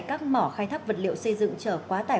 các mỏ khai thắp vật liệu xây dựng chở quá tải